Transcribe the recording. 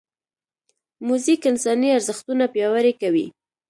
موزیک انساني ارزښتونه پیاوړي کوي.